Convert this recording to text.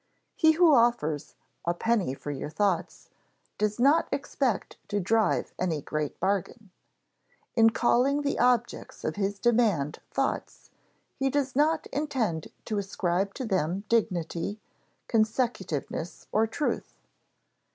He who offers "a penny for your thoughts" does not expect to drive any great bargain. In calling the objects of his demand thoughts, he does not intend to ascribe to them dignity, consecutiveness, or truth.